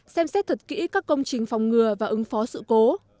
xem xét thật kỹ các công trình phòng ngừa và ứng phó sự cố